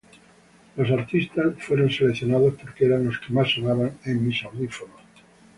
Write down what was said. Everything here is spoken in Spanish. Los artistas fueron seleccionados porque eran los que más sonaban en mis audífonos.